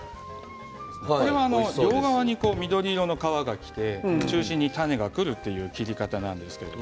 これは両側に緑色の皮がきて中心に種がくるという切り方です。